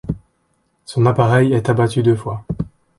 Son appareil est abattu deux fois.